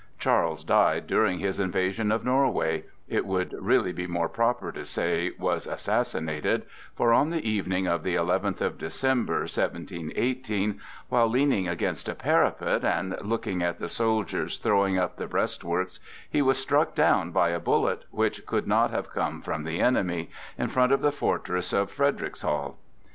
Charles died during his invasion of Norway; it would really be more proper to say "was assassinated"; for, on the evening of the eleventh of December, 1718, while leaning against a parapet and looking at the soldiers throwing up the breastworks, he was struck down by a bullet, which could not have come from the enemy, in front of the fortress of Frederickshall.